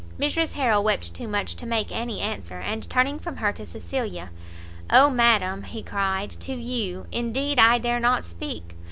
Mrs Harrel wept too much to make any answer; and turning from her to Cecilia, "Oh Madam," he cried, "to you, indeed, I dare not speak!